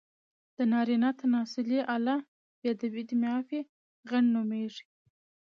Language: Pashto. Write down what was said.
د نارينه تناسلي اله، غيڼ نوميږي.